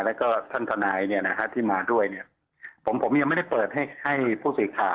แล้วก็ท่านธนายเนี่ยนะครับที่มาด้วยเนี่ยผมยังไม่ได้เปิดให้ผู้สินค้า